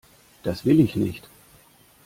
Das will ich nicht!